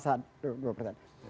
satu dua persen